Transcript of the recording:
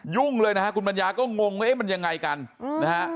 ยุ่งเลยนะฮะคุณปัญญาก็งงว่าเอ๊ะมันยังไงกันนะฮะ